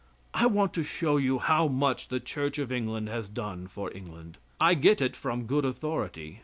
I want to show you how much the Church of England has done for England. I get it from good authority.